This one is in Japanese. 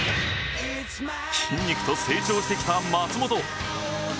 筋肉とともに成長してきた松元。